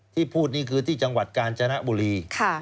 ที่พูดนี่คือที่จังหวัดกาญจนบุรี